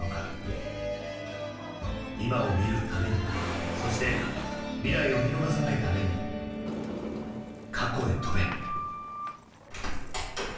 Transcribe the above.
今を見るためにそして未来を見逃さないために過去へ飛べ。